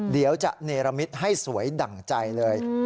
เดี๋ยวจะเนรมิตให้สวยดั่งใจเลย